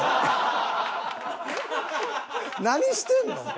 何してんの？